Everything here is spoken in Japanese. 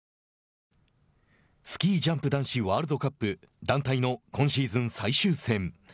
スキージャンプ男子ワールドカップ団体の今シーズン最終戦。